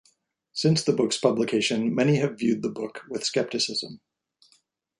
Since the book's publication, many have viewed the book with skepticism.